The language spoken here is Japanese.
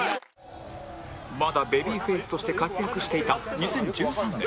まだベビーフェースとして活躍していた２０１３年